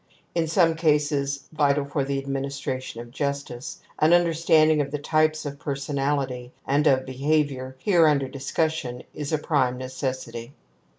In some cases vital for the administration of justice, an understanding of the types of personality and of behavior here under discussion is a prime necessity.